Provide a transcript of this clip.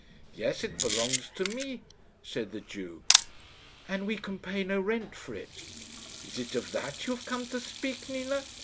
"Yes, it belongs to me," said the Jew. "And we can pay no rent for it." "Is it of that you have come to speak, Nina?